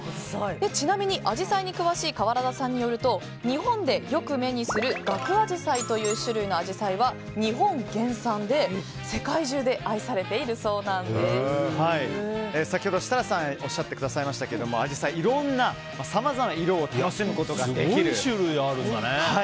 ちなみに、アジサイに詳しい川原田さんによると日本でよく目にするガクアジサイという種類のアジサイは日本原産で世界中で先ほど設楽さんがおっしゃってくださいましたがアジサイいろんなさまざまな色をすごい種類あるんだね。